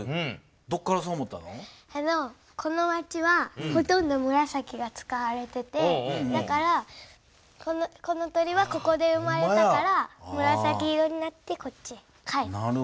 この町はほとんどむらさきが使われててだからこの鳥はここで生まれたからむらさき色になってこっちへ帰る。